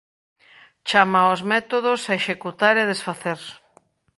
Chama aos métodos executar e desfacer.